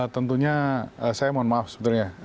tentunya saya mohon maaf sebetulnya